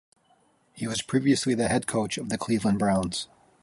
He was previously the head coach of the Cleveland Browns.